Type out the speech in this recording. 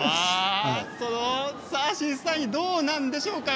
実際どうなんでしょうか。